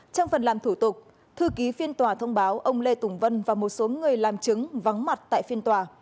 trong phần làm thủ tục thư ký phiên tòa thông báo ông lê tùng vân và một số người làm chứng vắng mặt tại phiên tòa